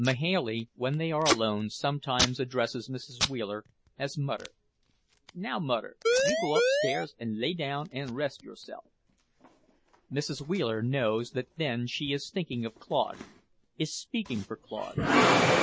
Mahailey, when they are alone, sometimes addresses Mrs. Wheeler as "Mudder"; "Now, Mudder, you go upstairs an' lay down an' rest yourself." Mrs. Wheeler knows that then she is thinking of Claude, is speaking for Claude.